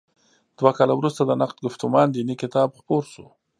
دوه کاله وروسته د نقد ګفتمان دیني کتاب خپور شو.